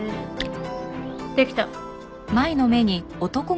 できた。